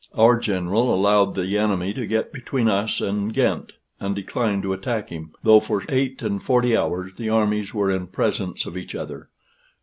Our general allowed the enemy to get between us and Ghent, and declined to attack him, though for eight and forty hours the armies were in presence of each other.